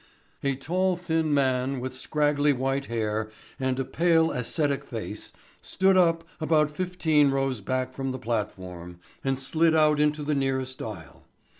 A tall, thin man with scraggly white hair and a pale ascetic face stood up about fifteen rows back from the platform and slid out into the nearest aisle.